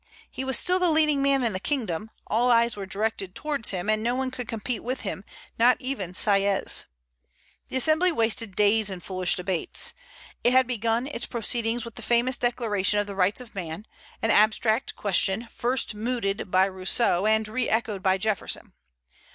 He was still the leading man in the kingdom; all eyes were directed towards him; and no one could compete with him, not even Sieyès. The Assembly wasted days in foolish debates. It had begun its proceedings with the famous declaration of the rights of man, an abstract question, first mooted by Rousseau, and re echoed by Jefferson.